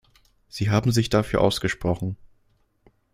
Sie haben sich dafür ausgesprochen.